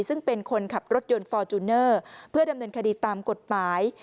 ซึ่งเป็นคนขับรถยนต์ฟอร์จูเนอร์เพื่อดำเนินคดีตามกฎหมาย